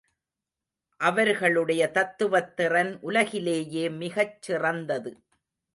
அவர்களுடைய தத்துவத் திறன் உலகிலேயே மிகச் சிறந்தது.